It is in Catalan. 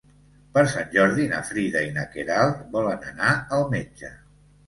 Per Sant Jordi na Frida i na Queralt volen anar al metge.